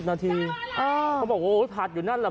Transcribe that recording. นาทีเขาบอกโอ้ยผัดอยู่นั่นแหละ